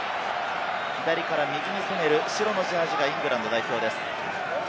左から右に進める白のジャージーがイングランド代表です。